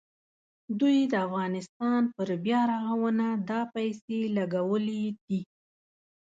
دوی د افغانستان پر بیارغونه دا پیسې لګولې دي.